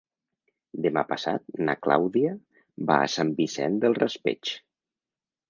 Demà passat na Clàudia va a Sant Vicent del Raspeig.